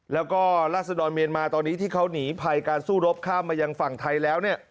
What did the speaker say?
แล้วก็ราศดรเมียนมาตอนนี้ที่เขาหนีภัยการสู้รบข้ามมายังฝั่งไทยแล้วเนี่ย